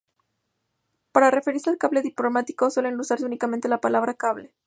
Para referirse al cable diplomático, suele usarse únicamente la palabra "cable".